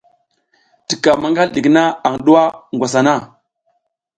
Tika maƞgal ɗik na aƞ ɗuwa ngwas hana.